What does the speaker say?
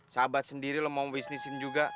sahabat sendiri lo mau bisnisin juga